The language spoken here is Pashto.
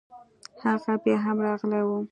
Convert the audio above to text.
هغه بيا هم غلى و.